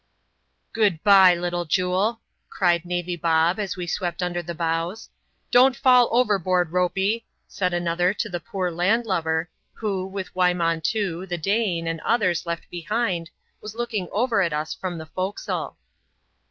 " Good bye, Little Jule," cried Navy Bob, as we swept under the bows. " Don't fall overboard. Ropey," said another to the poor land lubber, who, with Wymontoo, the Dane, and others left behind, was looking over at us from the forecastle.